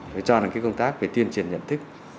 tôi cho là cái công tác về tuyên truyền nhận thức